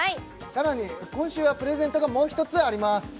さらに今週はプレゼントがもう一つあります